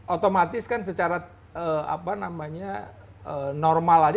otomatis kan secara normal aja